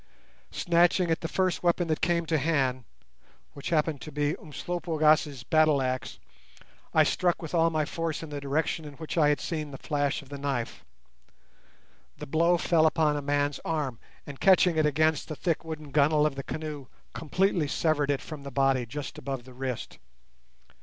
Snatching at the first weapon that came to hand, which happened to be Umslopogaas' battleaxe, I struck with all my force in the direction in which I had seen the flash of the knife. The blow fell upon a man's arm, and, catching it against the thick wooden gunwale of the canoe, completely severed it from the body just above the wrist.